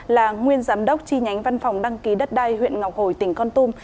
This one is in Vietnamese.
là nguyên giám đốc chi nhánh văn phòng đăng ký đất đai huyện ngọc hồi tỉnh con tum